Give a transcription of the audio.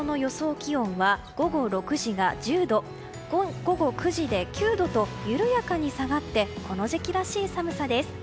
気温は午後６時が１０度午後９時で９度と緩やかに下がってこの時期らしい寒さです。